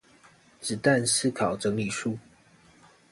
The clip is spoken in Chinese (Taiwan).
子彈思考整理術